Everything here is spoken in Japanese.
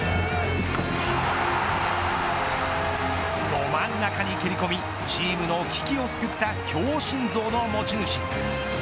ど真ん中に蹴り込みチームの危機を救った強心臓の持ち主。